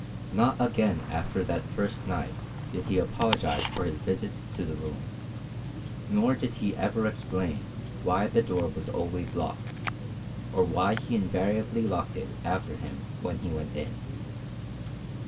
Not again after that first night did he apologize for his visits to the room, nor did he ever explain why the door was always locked, or why he invariably locked it after him when he went in.